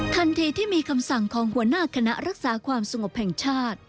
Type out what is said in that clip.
ทันทีที่มีคำสั่งของหัวหน้าคณะรักษาความสงบแห่งชาติ